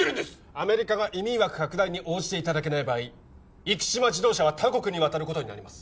アメリカが移民枠拡大に応じていただけない場合生島自動車は他国に渡ることになります